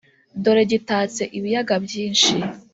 dore gitatse ibiyaga byinshi